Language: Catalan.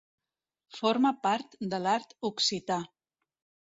Forma part de l'art occità.